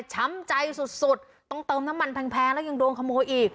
ช้ำใจสุดต้องเติมน้ำมันแพงแล้วยังโดนขโมยอีก